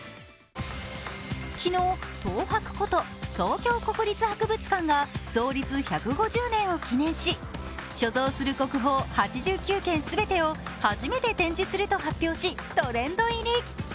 昨日、トーハクこと東京国立博物館が創立１５０年を記念し、所蔵する国宝８９件全てを初めて展示すると発表し、トレンド入り。